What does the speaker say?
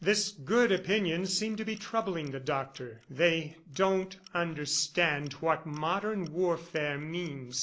This good opinion seemed to be troubling the Doctor. "They don't understand what modern warfare means.